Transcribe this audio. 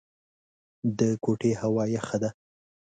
د کوټې هوا يخه ده.